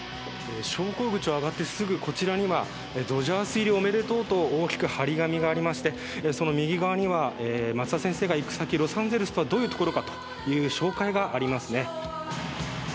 昇降口を上がってすぐこちらには「ドジャース入りおめでとう」と大きく貼り紙がありまして、その右側には松田先生が行く先、ロサンゼルスとはどういうところかという紹介がありますね。